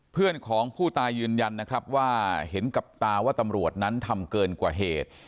เพื่อนของผู้ตายยืนยันนะครับว่าเห็นกับตาว่าตำรวจนั้นทำเกินกว่าเหตุ